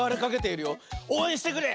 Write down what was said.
おうえんしてくれ！